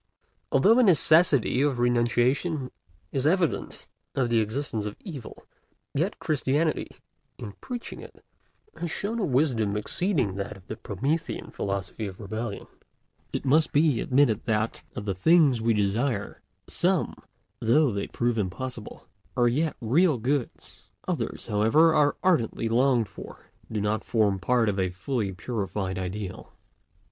Although the necessity of renunciation is evidence of the existence of evil, yet Christianity, in preaching it, has shown a wisdom exceeding that of the Promethean philosophy of rebellion. It must be admitted that, of the things we desire, some, though they prove impossible, are yet real goods; others, however, as ardently longed for, do not form part of a fully purified ideal.